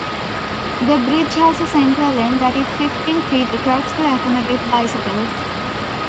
The bridge has a center lane that is fifteen feet across to accommodate bicycles.